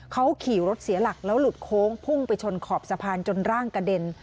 เขาขี่รถเสียหลักแล้วหลุดโค้งพุ่งไปชนขอบสะพานจนร่างกระเด็น